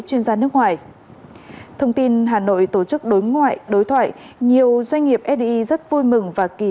chuyên gia nước ngoài thông tin hà nội tổ chức đối ngoại đối thoại nhiều doanh nghiệp fdi rất vui mừng và kỳ